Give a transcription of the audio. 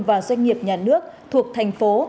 và doanh nghiệp nhà nước thuộc thành phố